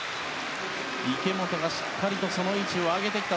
池本がしっかりとその位置を上げてきた。